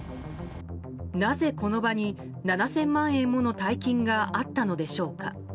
なぜこの場に７０００万円もの大金があったのでしょうか。